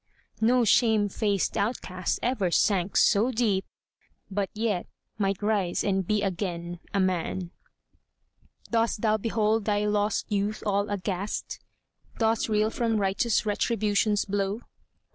No shame faced outcast ever sank so deep, But yet might rise and be again a man ! Dost thou behold thy lost youth all aghast? Dost reel from righteous Retribution's blow?